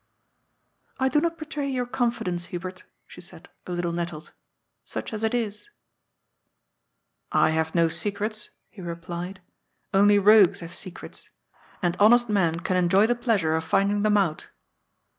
" I do not betray your confidence, Hubert," she said, a little nettled, '^ such as it is." " I have no secrets," he replied. " Only rogues have secrets. And honest men can enjoy the pleasure of finding them out."